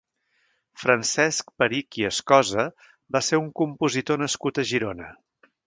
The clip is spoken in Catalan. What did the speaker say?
Francesc Perich i Escosa va ser un compositor nascut a Girona.